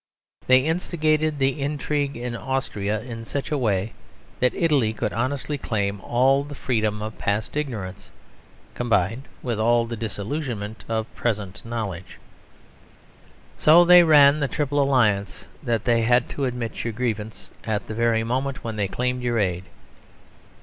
They instigated the intrigue in Austria in such a way that Italy could honestly claim all the freedom of past ignorance, combined with all the disillusionment of present knowledge. They so ran the Triple Alliance that they had to admit your grievance, at the very moment when they claimed your aid.